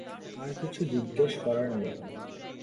আর কিছু জিজ্ঞেস করার নেই।